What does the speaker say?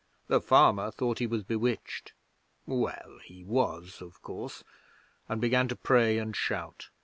The farmer thought he was bewitched well, he was, of course and began to pray and shout.